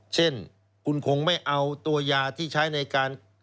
เช่นคุณคงไม่เอาตัวยาที่ใช้ในการ